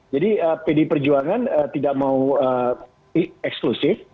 jadi pd perjuangan tidak mau eksklusif